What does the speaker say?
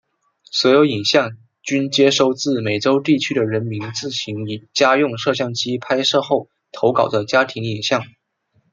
所有影像均接收自美洲地区的人民自行以家用摄影机拍摄后投稿的家庭影像。